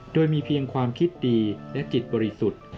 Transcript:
โดยมีเพียงความคิดดีและจิตบริสุทธิ์